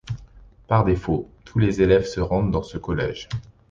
Par défaut, tous les élèves se rendent dans ce collège.